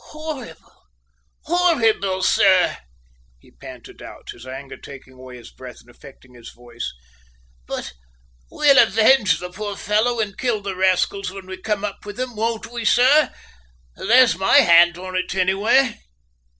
"Horrible, horrible, sir!" he panted out, his anger taking away his breath and affecting his voice. "But we'll avenge the poor fellow and kill the rascals when we come up with them, won't we, sir? There's my hand on it, anyway!"